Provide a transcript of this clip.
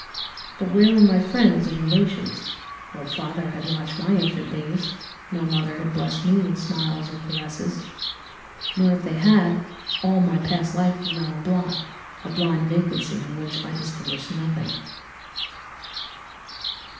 "But where were my friends and relations? No father had watched my infant days, no mother had blessed me with smiles and caresses; or if they had, all my past life was now a blot, a blind vacancy in which I distinguished nothing.